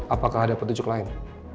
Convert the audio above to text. apakah ada petunjuk lain